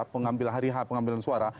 pengambilan hariha pengambilan suara